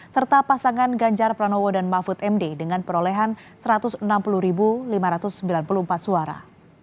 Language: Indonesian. serta pasangan ganjar pranowo dan mahfud md dengan perolehan satu ratus enam puluh lima ratus sembilan puluh empat suara